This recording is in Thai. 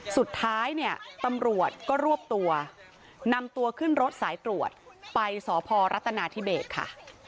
สุดท้ายเนี่ยตำรวจก็รวบตัวนำตัวขึ้นรถสายตรวจไปสพรัฐนาธิเบสค่ะ